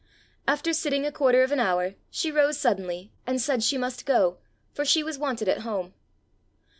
After sitting a quarter of an hour, she rose suddenly, and said she must go, for she was wanted at home.